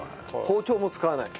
包丁も使わない。